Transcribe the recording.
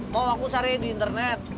kok aku cari di internet